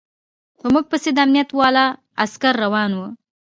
په موږ پسې د امنيت والاو عسکر روان و.